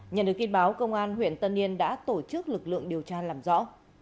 nhận được tin báo công an huyện tân yên đã tổ chức lực lượng điều tra làm rõ